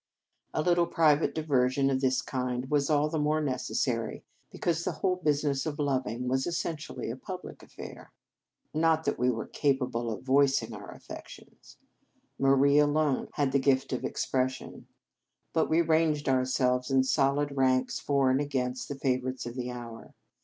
A little private diversion of this kind was all the more necessary be cause the whole business of loving was essentially a public affair. Not that we were capable of voicing our affections, Marie alone had the gift 234 The Game of Love of expression, but we ranged our selves in solid ranks for and against the favourites of the hour.